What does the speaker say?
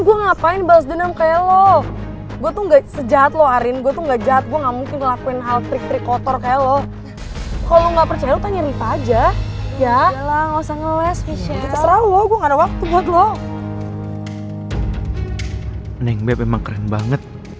bagaimana kondisi kamu sekarang